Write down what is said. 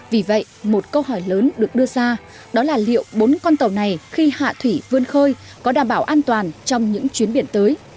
vì vậy một câu hỏi lớn được đưa ra đó là liệu bốn con tàu này khi hạ thủy vươn khơi có đảm bảo an toàn trong những chuyến biển tới